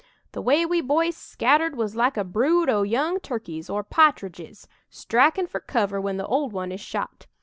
The way we boys scattered was like a brood o' young turkeys, or pa'tridges, strikin' for cover when the old one is shot.